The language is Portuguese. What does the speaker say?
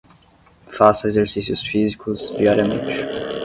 Faça exercícios físicos diariamente